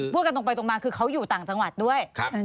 พูดกันตรงไปตรงมาคือเขาอยู่ต่างจังหวัดด้วย